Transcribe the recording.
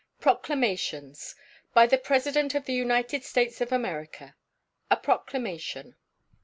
PROCLAMATIONS. BY THE PRESIDENT OF THE UNITED STATES OF AMERICA. A PROCLAMATION.